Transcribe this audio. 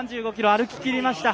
３５ｋｍ歩ききりました